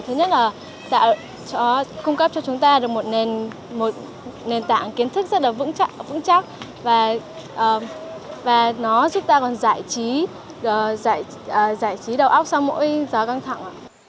thứ nhất là cung cấp cho chúng ta được một nền tảng kiến thức rất là vững chắc và nó giúp ta còn giải trí đầu óc sau mỗi gió căng thẳng